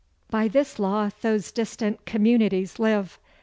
] By this law those distant communities live.